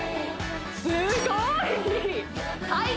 すごい！